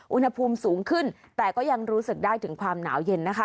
อุณหภูมิสูงขึ้นแต่ก็ยังรู้สึกได้ถึงความหนาวเย็นนะคะ